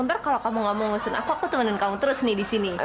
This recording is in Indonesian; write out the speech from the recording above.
ntar kalau kamu gak mau ngusung aku aku temenin kamu terus nih di sini